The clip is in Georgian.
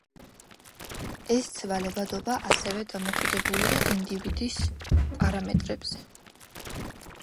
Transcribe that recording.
ეს ცვალებადობა ასევე დამოკიდებულია ინდივიდის პარამეტრებზე.